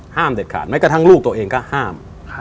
เด็ดขาดแม้กระทั่งลูกตัวเองก็ห้าม